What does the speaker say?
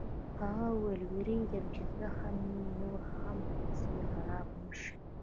هغه وویل: وېرېږم چې زخم یې نور هم پسې خراب نه شي.